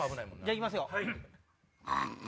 行きますよ。